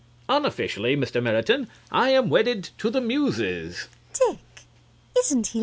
Unofficially, Mr. Meriton, I am wedded to the Muses.